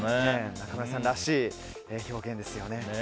中村さんらしい表現ですよね。